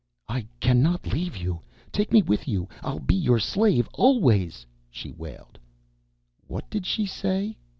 "I cannot leave you! Take me with you I'll be your slave always!" she wailed. "What did she say?"